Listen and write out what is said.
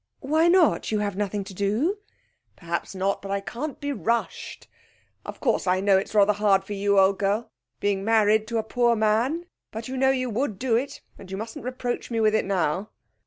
'Why not? You have nothing to do!' 'Perhaps not; but I can't be rushed. Of course, I know it's rather hard for you, old girl, being married to a poor man; but you know you would do it, and you mustn't reproach me with it now.'